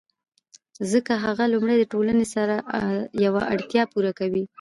ځکه هغه لومړی د ټولنې یوه اړتیا پوره کوي